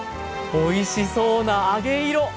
おいしそうな揚げ色！